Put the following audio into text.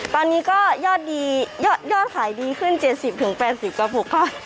ตอนนี้ก็ยอดดียอดขายดีขึ้น๗๐๘๐กระปุกค่ะ